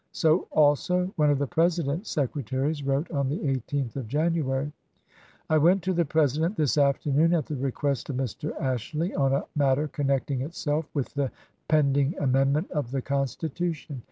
So also one of the President's secretaries wrote on the 18th of January : I went to the President this afternoon at the request of Mr. Ashley, on a matter connecting itself with the pend ing amendment of the Constitution.